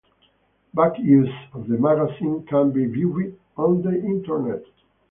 Back issues of the magazine can be viewed on the Internet.